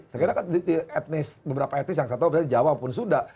karena kan di etnis beberapa etnis yang saya tahu bahwa di jawa pun sudah